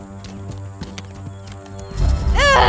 padaku saya berharga